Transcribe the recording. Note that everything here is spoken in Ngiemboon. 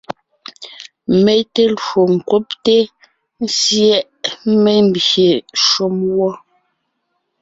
Mé te lwo ńkúbte/syɛ́ʼ membyè shúm wɔ́.